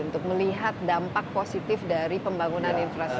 untuk melihat dampak positif dari pembangunan infrastruktur